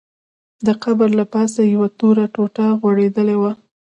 د قبر له پاسه یوه توره ټوټه غوړېدلې وه.